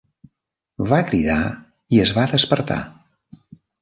Va cridar i es va despertar.